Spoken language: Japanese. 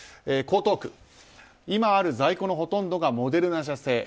江東区、今ある在庫のほとんどがモデルナ社製。